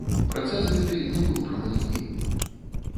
Працэс гэты не быў прамалінейны.